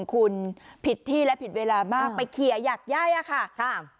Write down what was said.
คุณผิดที่และผิดเวลามากไปเคลียร์หยักย่ายอะค่ะ